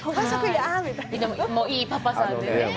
いいパパさんでね。